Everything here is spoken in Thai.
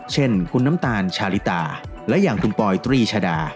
เช่นคุณน้ำตาลชาลิตาและอย่างคุณปอยตรีชดา